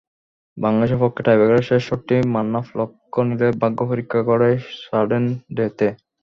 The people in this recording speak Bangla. বাংলাদেশের পক্ষে টাইব্রেকারের শেষ শটটি মান্নাফ লক্ষ্যে নিলে ভাগ্যপরীক্ষা গড়ায় সাডেন ডেথে।